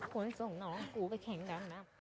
คุณส่งน้องกูไปแข่งดำนะ